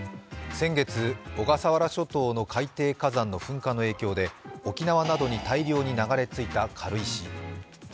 先月、小笠原諸島の海底火山の噴火の影響で沖縄などに大量に流れ着いた軽石。